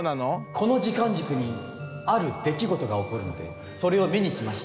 この時間軸にある出来事が起こるのでそれを見に来ました。